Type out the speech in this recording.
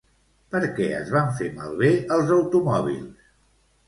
Per què es van fer malbé els automòbils?